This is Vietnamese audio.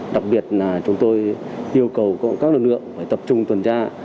đặc biệt là chúng tôi yêu cầu các nguyên liệu phải tập trung tuần tra